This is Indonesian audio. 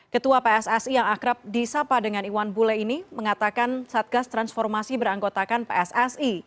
ketua pssi yang akrab disapa dengan iwan bule ini mengatakan satgas transformasi beranggotakan pssi